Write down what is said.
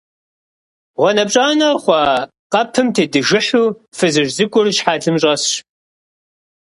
ГъуанэпщӀанэ хъуа къэпым тедыжыхьу фызыжь цӀыкӀур щхьэлым щӀэсщ.